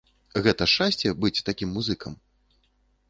Гэта шчасце быць такім музыкам?